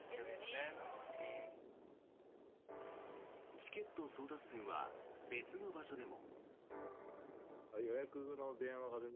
チケット争奪戦は別の場所でも。